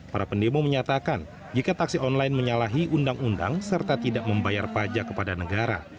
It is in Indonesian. para pendemo menyatakan jika taksi online menyalahi undang undang serta tidak membayar pajak kepada negara